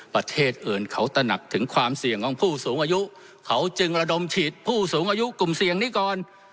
ประเทศอื่นเขาตระหนักถึงความเสี่ยงของผู้สูงอายุเขาจึงระดมฉีดผู้สูงอายุกลุ่มเสี่ยงนี้ก่อน